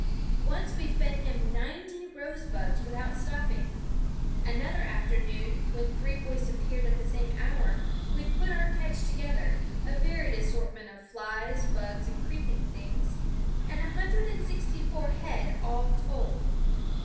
Once we fed him ninety rose bugs without stopping. Another afternoon, when three boys appeared at the same hour, we put our catch together, a varied assortment of flies, bugs, and creeping things, a hundred and sixty four head all told.